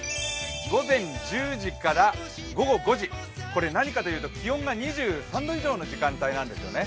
午前１０時から午後５時これ、何かというと気温が２３度以上の時間なんですね。